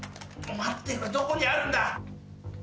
待ってどこにあるんだ！？